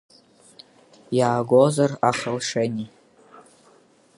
Иаагозар, Ахалшени…